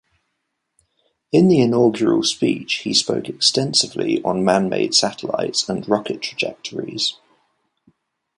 In the inaugural speech he spoke extensively on man-made satellites and rocket trajectories.